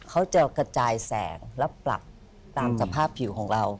เขาจะกระจายแสงและปรับตามสภาพผิวของเรา